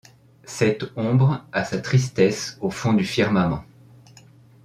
Cette ombre à sa tristesse au fond du firmament